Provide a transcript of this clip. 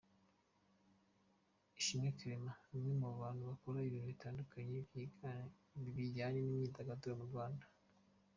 Ishimwe Clement, ni umwe mu bantu bakora ibintu bitandukanye bijyanye n’imyidagaduro mu Rwanda.